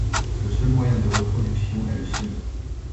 Le seul moyen de reproduction est le semis.